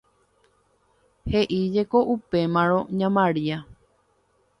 he'íjeko upémarõ ña Maria